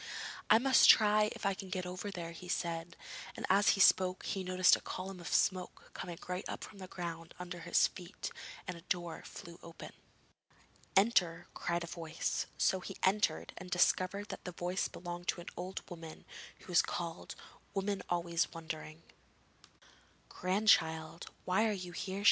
'I must try if I can get over there,' he said, and as he spoke, he noticed a column of smoke coming right up from the ground under his feet, and a door flew open. 'Enter!' cried a voice, so he entered, and discovered that the voice belonged to an old woman, who was called 'Woman always wondering.' 'Grandchild, why are you here?'